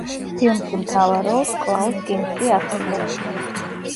ფილმში მთავარ როლს კლაუს კინსკი ასრულებს.